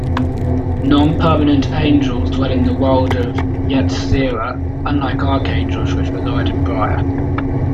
Non-permanent angels dwell in the world of Yetzirah, unlike archangels which reside in Briah.